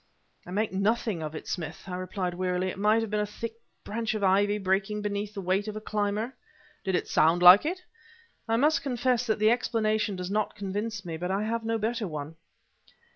"I make nothing of it, Smith," I replied, wearily. "It might have been a thick branch of ivy breaking beneath the weight of a climber." "Did it sound like it?" "I must confess that the explanation does not convince me, but I have no better one."